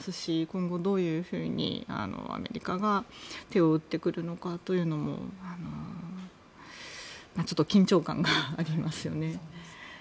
今後、どういうふうにアメリカが手を打ってくるのかというのもちょっと緊張感がありますよね。